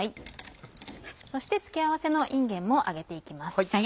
そして付け合わせのいんげんも揚げて行きます。